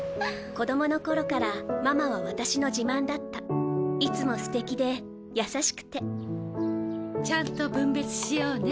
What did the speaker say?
子どもの頃からママは私の自慢だったいつもすてきで優しくてちゃんと分別しようね。